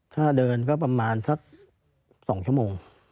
ถ้าเดินก็ประมาณสัก๒ชั่วโมง